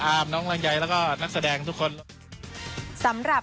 ภาพยนตร์เรื่องนี้นะคะคาดว่าจะใช้ระยะเวลาในการถ่ายธรรมประมาณ๒เดือนเสร็จนะคะ